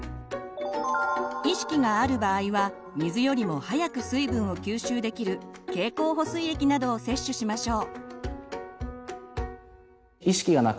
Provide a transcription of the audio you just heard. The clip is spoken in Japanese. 意識がある場合は水よりも早く水分を吸収できる経口補水液などを摂取しましょう。